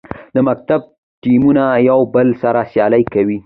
د مکتب ټیمونه یو بل سره سیالي کوي.